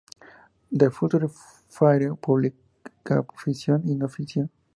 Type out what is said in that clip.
The Future Fire publica ficción y no ficción.